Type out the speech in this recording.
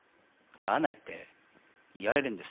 合わないって言われるんです。